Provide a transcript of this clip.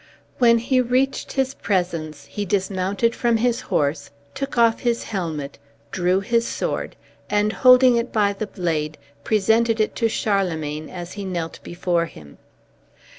When he reached his presence he dismounted from his horse, took off his helmet, drew his sword, and holding it by the blade presented it to Charlemagne as he knelt before him.